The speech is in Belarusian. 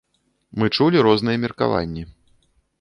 Мы чулі розныя меркаванні.